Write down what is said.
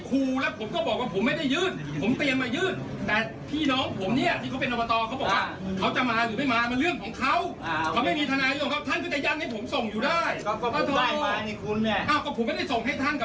ก็ผมไม่ได้ส่งให้ท่านกับมือที่ไหนล่ะ